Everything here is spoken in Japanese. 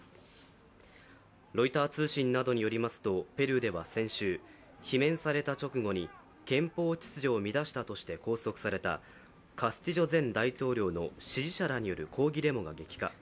ロイター通信などによりますとペルーでは先週罷免された直後に憲法秩序を乱したとして拘束されたカスティジョ前大統領の支持者らによる抗議デモが激化。